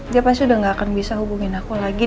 dia pasti udah gak akan bisa hubungin aku lagi